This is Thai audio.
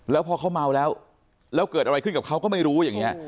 แล้วพอเขาเมาแล้วแล้วเกิดอะไรขึ้นกับเขาก็ไม่รู้อย่างนี้